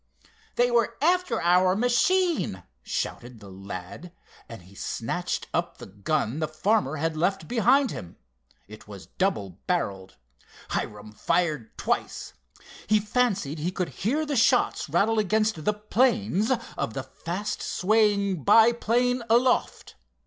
"They were after our machine!" shouted the lad, and he snatched up the gun the farmer had left behind him. It was double barreled. Hiram fired twice. He fancied he could hear the shots rattle against the planes of the fast swaying biplane aloft.